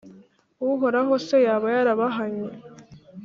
Uhoraho se yaba yarabahannye,